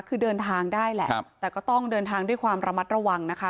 คือเดินทางได้แหละแต่ก็ต้องเดินทางด้วยความระมัดระวังนะคะ